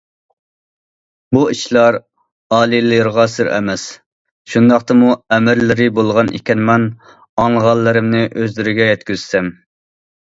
- بۇ ئىشلار ئالىلىرىغا سىر ئەمەس، شۇنداقتىمۇ ئەمىرلىرى بولغان ئىكەنمەن ئاڭلىغانلىرىمنى ئۆزلىرىگە يەتكۈزسەم.